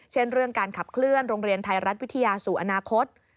เช่นเรื่องการขับเคลื่อนโรงเรียนไทยรัฐวิทยาสู่อนาคต